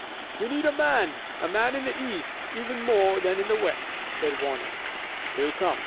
"We need a man, a man in the east, even more than in the west," said Warner. "He'll come.